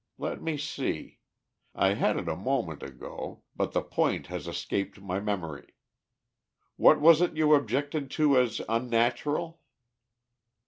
Let me see. I had it a moment ago, but the point has escaped my memory. What was it you objected to as unnatural?"